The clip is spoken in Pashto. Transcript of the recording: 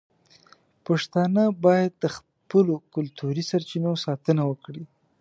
پښتانه باید د خپلو کلتوري سرچینو ساتنه وکړي.